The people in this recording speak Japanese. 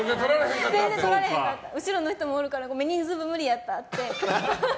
後ろの人もおるから人数分無理やったって。